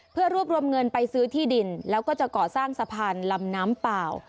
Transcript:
เพื่อรวบรวมเงินไปซื้อที่ดินแล้วก็จะก่อสร้างสะพานลำน้ำเปล่า